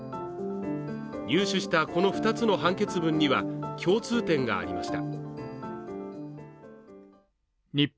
入手したこの二つの判決文には共通点がありました